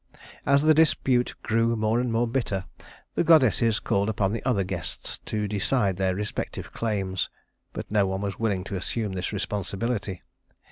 As the dispute grew more and more bitter, the goddesses called upon the other guests to decide their respective claims; but no one was willing to assume this responsibility.